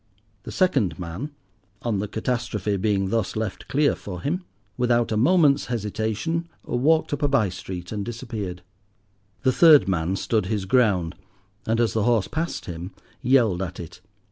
The second man, on the catastrophe being thus left clear for him, without a moment's hesitation, walked up a bye street and disappeared. The third man stood his ground, and, as the horse passed him, yelled at it.